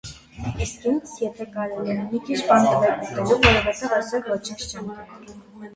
- Իսկ ինձ, եթե կարելի է, մի քիչ բան տվեք ուտելու, որովհետև այսօր ոչինչ չեմ կերել: